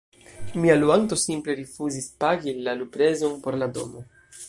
mia luanto simple rifuzis pagi la luprezon por la domo